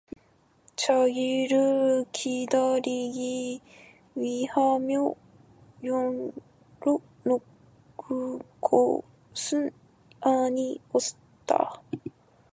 자기를 기다리기 위하여 열어 놓은 것은 아니었다.